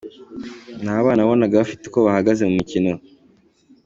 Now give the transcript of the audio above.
Ni abana wabonaga bafite uko bahagaze mu mukino.